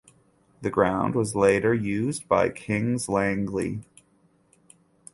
The ground was later used by Kings Langley.